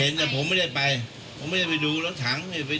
เห็นบอกว่าพอบอตั้งกรรมการที่น่าซื้อรถถังมาตรงแทน